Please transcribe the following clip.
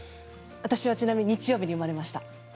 ちなみに私は日曜日に生まれました。